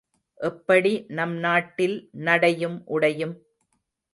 எப்படி நம்நாட்டில் நடையும் உடையும்?